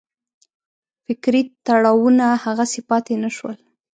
فکري تړاوونه هغسې پاتې نه شول.